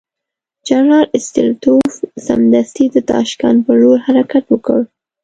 جنرال ستولیتوف سمدستي د تاشکند پر لور حرکت وکړ.